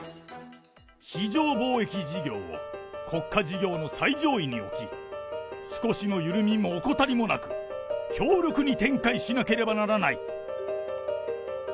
非常防疫事業を国家事業の最上位に置き、少しの緩みも怠りもなく、強力に展開しなければならない。